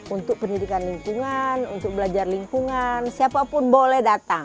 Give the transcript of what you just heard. untuk pendidikan lingkungan untuk belajar lingkungan siapapun boleh datang